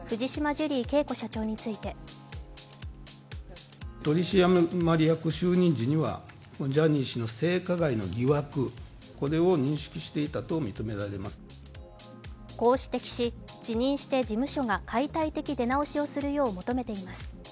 ジュリー景子社長についてこう指摘し、辞任して事務所が解体的出直しをするよう求めています。